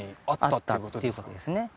あったっていうことですね